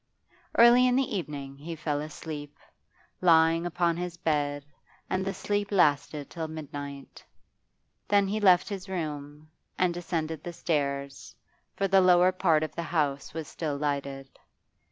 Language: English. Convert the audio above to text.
Early in the evening he fell asleep, lying dressed upon his bed, and the sleep lasted till midnight. Then he left his room, and descended the stairs, for the lower part of the house was still lighted.